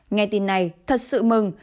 nghe tin này thật sự mừng